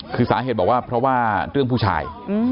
คือสาเหตุบอกว่าเพราะว่าเรื่องผู้ชาย